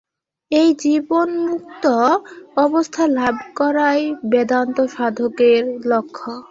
এই জীবন্মুক্ত অবস্থা লাভ করাই বেদান্ত-সাধকের লক্ষ্য।